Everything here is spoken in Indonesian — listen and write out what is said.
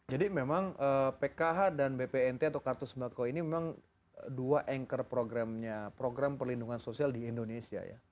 jadi memang pkh dan bpnt atau kartu sembako ini memang dua anchor programnya program perlindungan sosial di indonesia ya